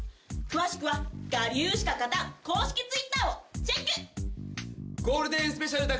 詳しくは『我流しか勝たん！』公式Ｔｗｉｔｔｅｒをチェック！